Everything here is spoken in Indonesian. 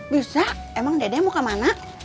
bisa emang dede mau kemana